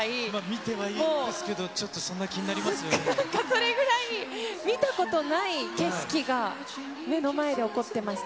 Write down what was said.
見てはいいんですけど、なんかそれぐらい見たことない景色が、目の前で起こってました。